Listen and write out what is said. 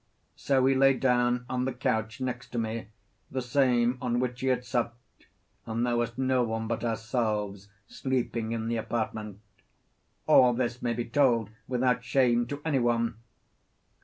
So he lay down on the couch next to me, the same on which he had supped, and there was no one but ourselves sleeping in the apartment. All this may be told without shame to any one.